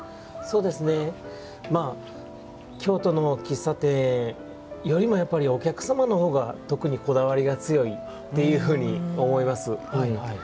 そうですねまあ京都の喫茶店よりもやっぱりお客様の方が特にこだわりが強いっていうふうに思います。